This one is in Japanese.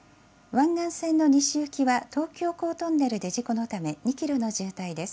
湾岸線の西行きは東京港トンネルで事故のため２キロの渋滞です。